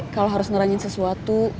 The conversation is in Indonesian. kalau harus ngeranjin sesuatu